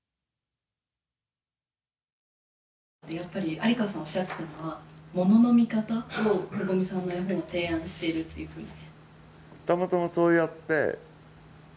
有川さんおっしゃってたのは“ものの見方”を五味さんの絵本は提案しているっていうふうに。